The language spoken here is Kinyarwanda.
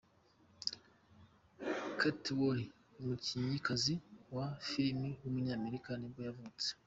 Kate Walsh, umukinnyikazi wa filime w’umunyamerika nibwo yavutse.